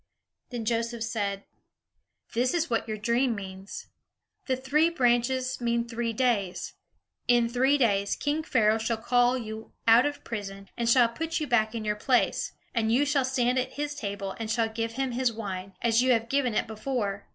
Then Joseph said, "This is what your dream means. The three branches mean three days. In three days, king Pharaoh shall call you out of prison and shall put you back in your place; and you shall stand at his table, and shall give him his wine, as you have given it before.